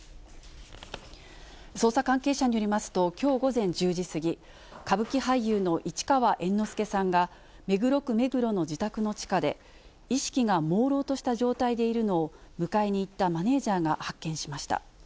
捜査関係者によりますと、きょう午前１０時過ぎ、歌舞伎俳優の市川猿之助さんが、目黒区目黒の自宅の地下で、意識がもうろうとした状態でいるのを、迎えに行ったマネージャーが発見しました。